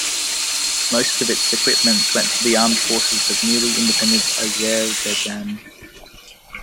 Most of its equipment went to the armed forces of newly independent Azerbaijan.